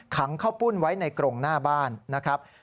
ขังข้าวปุ้นไว้ในกรงหน้าบ้านนะครับ